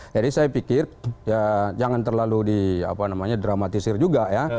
jadi saya pikir jangan terlalu di dramatisir juga ya